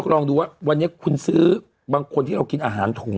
ลองดูว่าวันนี้คุณซื้อบางคนที่เรากินอาหารถุง